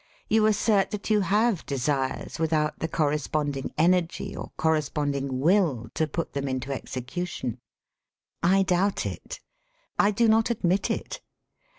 You assert that you have desires without the corresponding energy or cor responding will to put them into execution. I doubt it. I do not admit it.